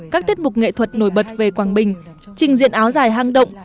các tiết mục nghệ thuật nổi bật về quảng bình trình diện áo dài hang động